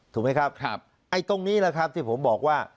ถูกไหมครับไอ้ตรงนี้แหละครับที่ผมบอกว่า